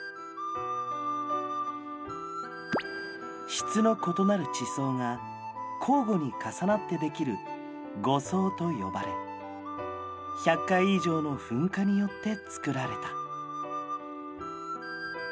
質の異なる地層が交互に重なってできる互層と呼ばれ１００回以上の噴火によってつくられた。